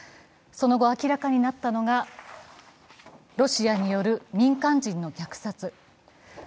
その後、明らかになったのが、ロシアによる民間人の虐殺。